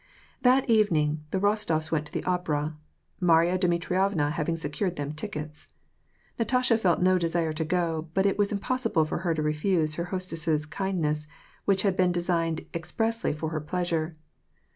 That evening the Rostof s went to the opera, Marya Dmi trievna having secured them tickets. Natasha felt no desire to go, but it was impossible for her to refuse her hostess's kind ness, which had been designed expressly for her pleasure.